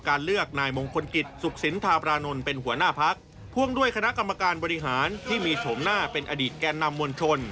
เลือกนายมงคลกิจสุขสินธาบรานนท์เป็นหัวหน้าพักพ่วงด้วยคณะกรรมการบริหารที่มีโฉมหน้าเป็นอดีตแก่นำมวลชน